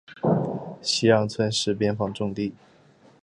西让村是边防重地。